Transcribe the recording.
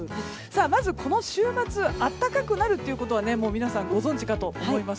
まず、この週末暖かくなるということはもう皆さんご存じかと思います。